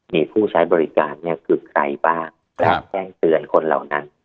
มีผู้ใช้บริการเนี่ยคือใครบ้างและแจ้งเตือนคนเหล่านั้น